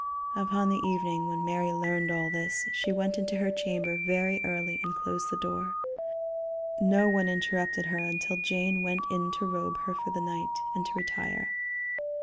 Upon the evening when Mary learned all this, she went into her chamber very early and closed the door. No one interrupted her until Jane went in to robe her for the night, and to retire.